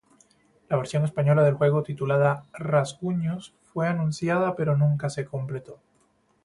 La versión española del juego, titulada "Rasguños" fue anunciada, pero nunca se completó.